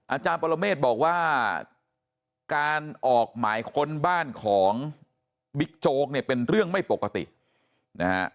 อาจารย์ปรเมฆบอกว่าการออกหมายค้นบ้านของบิ๊กโจ๊กเนี่ยเป็นเรื่องไม่ปกตินะฮะ